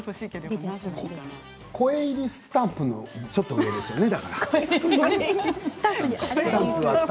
声入りスタンプのちょっと上ですよね。